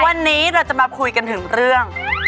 วันนี้เราจะมาคุยกันถึงเรื่อง